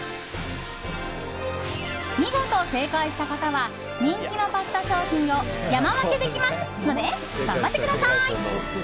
見事正解した方は人気のパスタ商品を山分けできますので頑張ってください。